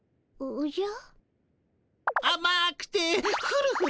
おじゃ。